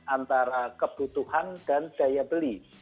antara kebutuhan dan daya beli